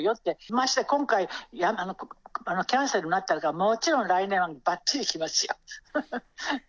ましてや今回、キャンセルになってるからもちろん来年はバッチリきますよ。